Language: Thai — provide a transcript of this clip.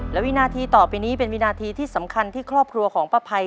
และวินาทีต่อไปนี้เป็นวินาทีที่สำคัญที่ครอบครัวของป้าภัย